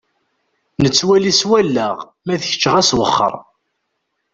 Nettwali s wallaɣ, ma d kečč ɣas wexxeṛ.